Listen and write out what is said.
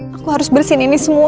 aku harus bersihin ini semua